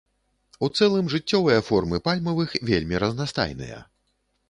У цэлым жыццёвыя формы пальмавых вельмі разнастайныя.